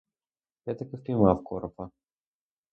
Я таки впіймав коропа.